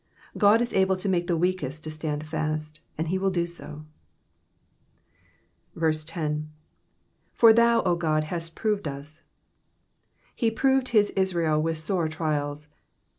God is able to make the weakest to stand fast, and he will do so. 10. '''•^r thou, 0 Godf hast proved us.^^ He proved his Israel with sore trials.